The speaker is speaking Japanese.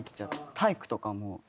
体育とかもう。